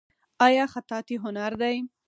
آیا خطاطي هنر دی؟